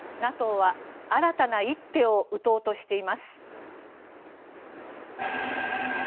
ＮＡＴＯは新たな一手を打とうとしています。